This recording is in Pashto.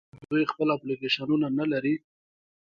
آیا دوی خپل اپلیکیشنونه نلري؟